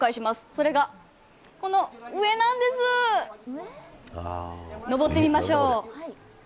それがこの上なんです、上ってみましょう。